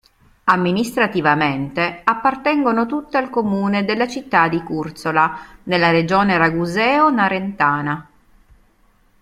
Amministrativamente appartengono tutte al comune della città di Curzola, nella regione raguseo-narentana.